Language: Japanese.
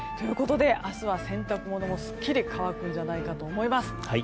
明日は洗濯物もすっきり乾くんじゃないかと思います。